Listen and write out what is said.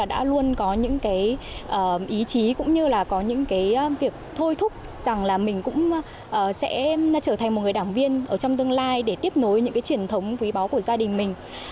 đã luôn có những cái ý chí cũng như là có những cái việc thôi thúc rằng là mình cũng sẽ trở thành một người đảng viên ở trong tương lai để tiếp nối những cái truyền thống quý báu của gia đình mình